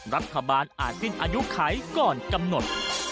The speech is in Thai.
รัฐบาลอาจสิ้นอายุไขก่อนกำหนด